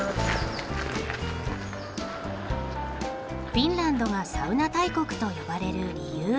フィンランドがサウナ大国と呼ばれる理由。